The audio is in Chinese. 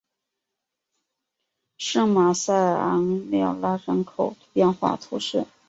圣马塞昂缪拉人口变化图示